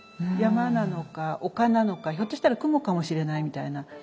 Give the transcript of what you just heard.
山なのか丘なのかひょっとしたら雲かもしれないみたいな。